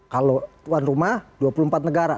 kalau tuan rumah dua puluh empat negara